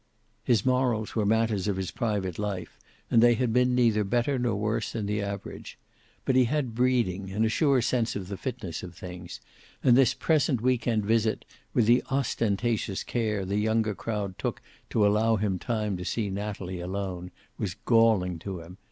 His morals were matters of his private life, and they had been neither better nor worse than the average. But he had breeding and a sure sense of the fitness of things, and this present week end visit, with the ostentatious care the younger crowd took to allow him time to see Natalie alone, was galling to him.